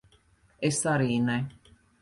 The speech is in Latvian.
Es arī ne.